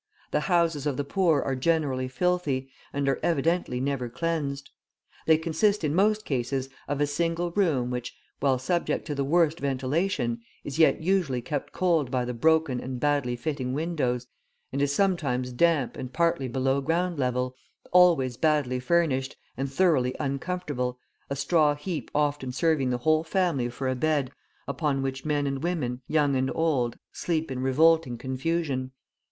The houses of the poor are generally filthy, and are evidently never cleansed. They consist in most cases of a single room which, while subject to the worst ventilation, is yet usually kept cold by the broken and badly fitting windows, and is sometimes damp and partly below ground level, always badly furnished and thoroughly uncomfortable, a straw heap often serving the whole family for a bed, upon which men and women, young and old, sleep in revolting confusion.